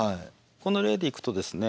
この例でいくとですね